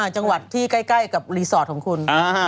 จังหวัดที่ใกล้กับรีสอร์ทของคุณ